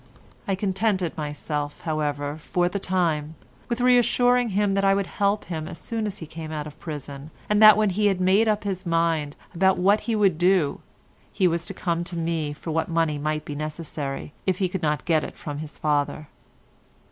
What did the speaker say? I contented myself, however, for the time, with assuring him that I would help him as soon as he came out of prison, and that, when he had made up his mind what he would do, he was to come to me for what money might be necessary, if he could not get it from his father.